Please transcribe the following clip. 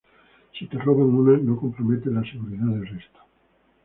si te roban una, no comprometes la seguridad del resto